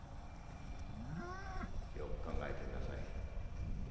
よく考えてみなさい。